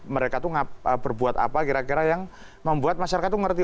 mereka tuh berbuat apa kira kira yang membuat masyarakat itu mengerti